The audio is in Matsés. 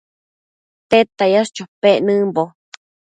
¿Tedta yash chopec nëmbo ?